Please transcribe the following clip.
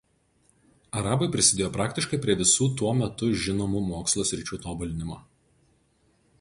Arabai prisidėjo praktiškai prie visų tuo metu žinomų mokslo sričių tobulinimo.